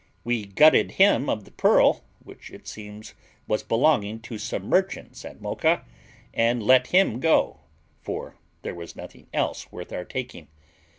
We gutted him of the pearl, which it seems was belonging to some merchants at Mocha, and let him go, for there was nothing else worth our taking.